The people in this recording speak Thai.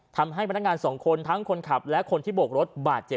ทำให้พนักงานสองคนทั้งคนขับและคนที่โบกรถบาดเจ็บ